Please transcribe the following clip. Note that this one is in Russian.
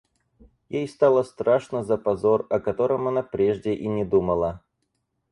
Ей стало страшно за позор, о котором она прежде и не думала.